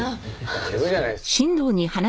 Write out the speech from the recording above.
大丈夫じゃないですか？